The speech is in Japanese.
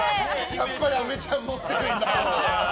やっぱりあめちゃん持ってるんだ。